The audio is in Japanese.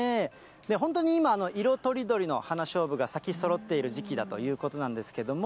本当に今、色とりどりの花しょうぶが咲きそろっている時期だということなんですけども。